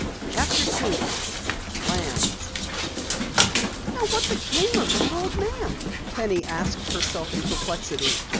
CHAPTER 2 PLANS "Now what became of that old man?" Penny asked herself in perplexity.